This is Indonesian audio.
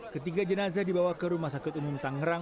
ketiga jenazah dibawa ke rumah sakit umum tangerang